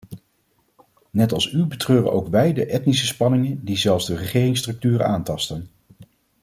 Net als u betreuren ook wij de etnische spanningen die zelfs de regeringsstructuren aantasten.